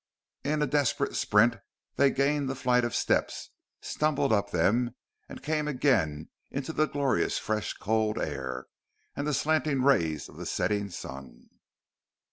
In a desperate sprint, they gained the flight of steps, stumbled up them, and came again into the glorious fresh cold air, and the slanting rays of the setting sun....